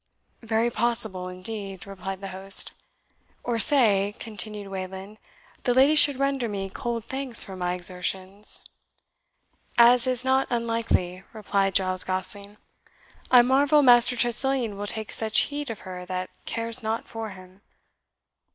"Very possible indeed," replied the host. "Or say," continued Wayland, "the lady should render me cold thanks for my exertions?" "As is not unlikely," replied Giles Gosling. "I marvel Master Tressilian will take such heed of her that cares not for him."